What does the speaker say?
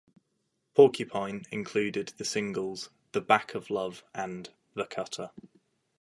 "Porcupine" included the singles "The Back of Love" and "The Cutter".